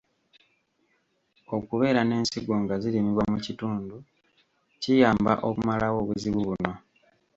Okubeera n’ensigo nga zirimibwa mu kitundu kiyamba okumalawo obuzibu buno .